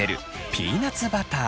ピーナツバター！